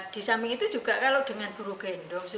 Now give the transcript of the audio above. di samping itu juga kalau dengan buru gendong